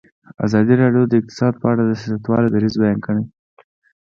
ازادي راډیو د اقتصاد په اړه د سیاستوالو دریځ بیان کړی.